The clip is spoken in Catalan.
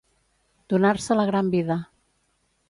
Donar-se la gran vida.